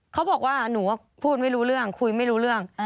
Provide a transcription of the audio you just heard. เขาบอกว่าหนูพูดไม่รู้เรื่องคุยไม่รู้เรื่อง